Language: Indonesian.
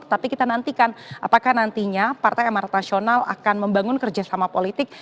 tapi kita nantikan apakah nantinya partai amara tasional akan membangun kerjasama politik